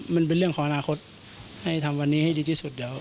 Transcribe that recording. มันเป็นเรื่องของอนาคตให้ทำวันนี้ให้ดีที่สุดแล้ว